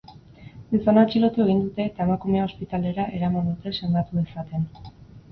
Gizona atxilotu egin dute eta emakumea ospitalera eraman dute sendatu dezaten.